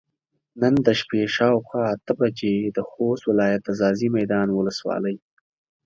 نن د شپې شاوخوا اته بجې د خوست ولايت د ځاځي ميدان ولسوالۍ